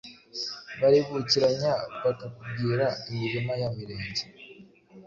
Baribukiranya bakakubwira imirima ya mirenge